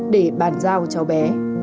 để bàn giao cho bé